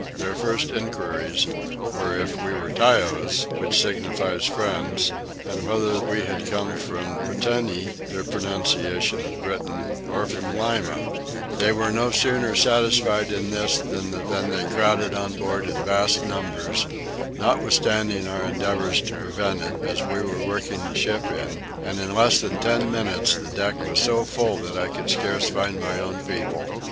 Their first enquiries were if we were tyos, which signifies friends; and whether we came from Pretanie (their pronunciation of Britain) or from Lima: they were no sooner satisfied in this than they crowded on board in vast numbers, notwithstanding our endeavours to prevent it, as we were working the ship in; and in less than ten minutes the deck was so full that I could scarce find my own people.